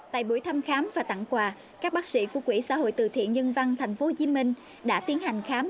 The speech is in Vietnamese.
tại buổi thăm khám và tặng quà các bác sĩ của quỹ xã hội từ thiện nhân văn tp hcm đã tiến hành khám